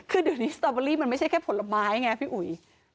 คือเดี๋ยวนี้สตอเบอรี่มันไม่ใช่แค่ผลไม้ไงพี่อุ๋ย